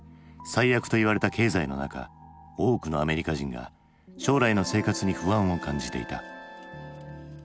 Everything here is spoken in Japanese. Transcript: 最悪と言われた経済の中多くのアメリカ人が将来の生活に不安を感じていた。